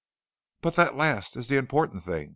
"But that last is the important thing.